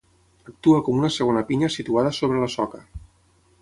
Actua com una segona pinya situada sobre la soca.